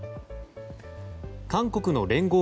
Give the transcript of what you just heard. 韓国の聯合